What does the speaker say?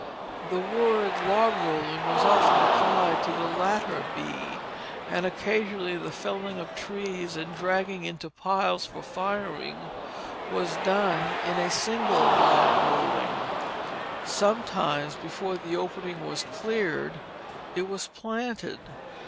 The word "log rolling" was often applied to the latter bee, and occasionally the felling of trees and dragging into piles for firing was done in a single log rolling. Sometimes before the opening was cleared it was planted.